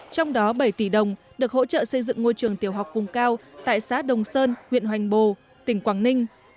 trong đó bảy tỷ đồng được hỗ trợ xây dựng ngôi trường tiểu học vùng cao tại xã đồng sơn huyện hoành bồ tỉnh quảng ninh